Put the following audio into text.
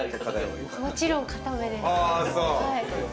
もちろん硬めです。